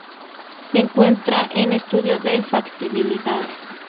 Se encuentra en estudio de factibilidad.